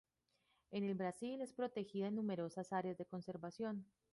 En el Brasil es protegida en numerosas áreas de conservación.